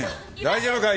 大丈夫か？